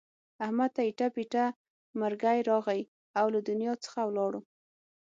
احمد ته ایټه بیټه مرگی راغی او له دنیا څخه ولاړو.